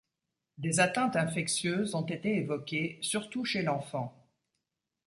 Des atteintes infectieuses ont été évoquées, surtout chez l'enfant.